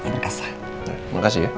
terima kasih ya